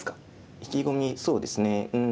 意気込みそうですねうん。